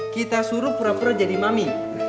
kita suruh pura pura jadi mami